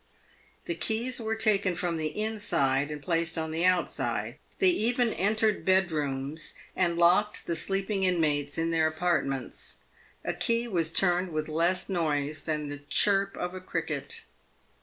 The keys were taken from the inside and placed on the outside. They even entered bedrooms and locked the sleeping inmates in their apartments. A key was turned with less noise than the chirp of a cricket.